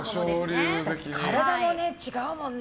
体も違うもんね。